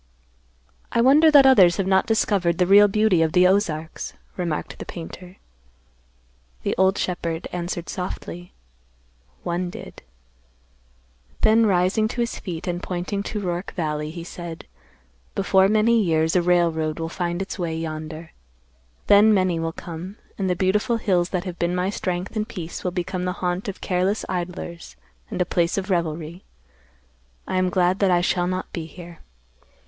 "I wonder that others have not discovered the real beauty of the Ozarks," remarked the painter. The old shepherd answered softly, "One did." Then rising to his feet and pointing to Roark valley, he said, "Before many years a railroad will find its way yonder. Then many will come, and the beautiful hills that have been my strength and peace will become the haunt of careless idlers and a place of revelry. I am glad that I shall not be here.